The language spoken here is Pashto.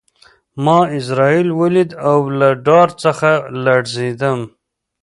ما عزرائیل ولید او له ډار څخه لړزېدم